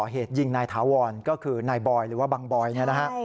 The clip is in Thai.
เหตุยิงนายถาวรก็คือนายบอยหรือว่าบังบอยเนี่ยนะฮะ